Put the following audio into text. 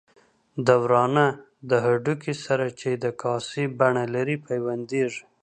د ورانه د هډوکي سره چې د کاسې بڼه لري پیوندېږي.